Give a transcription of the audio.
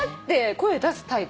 声出すタイプ？